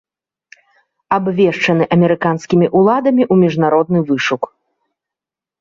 Абвешчаны амерыканскімі ўладамі ў міжнародны вышук.